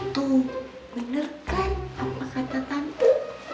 tuh bener kan apa kata tante